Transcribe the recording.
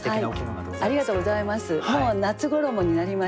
はい。